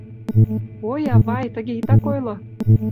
— Ой, авай, тыге итак ойло!